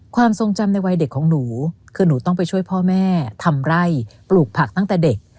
ความทรงจำในวัยเด็กของหนูคือหนูต้องไปช่วยพ่อแม่ทำไร่ปลูกผักตั้งแต่เด็ก